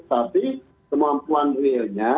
tapi kemampuan realnya